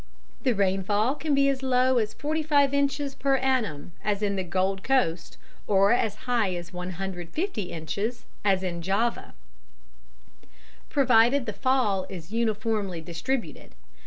The rainfall can be as low as 45 inches per annum, as in the Gold Coast, or as high as 150 inches, as in Java, provided the fall is uniformly distributed.